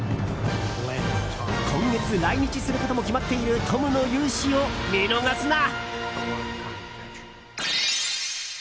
今月来日することも決まっているトムの雄姿を見逃すな！